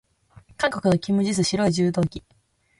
韓国のキム・ジス、白い柔道着。